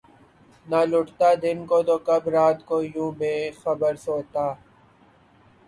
نہ لٹتا دن کو‘ تو کب رات کو یوں بے خبر سوتا!